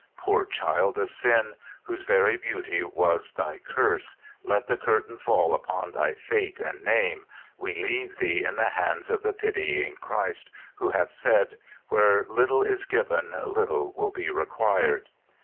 Poor child of sin, whose very beauty was thy curse, let the curtain fall upon thy fate and name ; we leave thee in the hands of the pitying Christ, who hath said, "Where little is given little will be required."